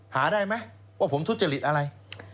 หาได้ไหมว่าผมทุจริตอะไร